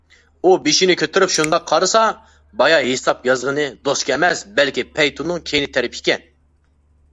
ئۇ بېشىنى كۆتۈرۈپ شۇنداق قارىسا، بايا ھېساب يازغىنى دوسكا ئەمەس، بەلكى پەيتۇننىڭ كەينى تەرىپى ئىكەن.